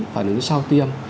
phản ứng sau tiêm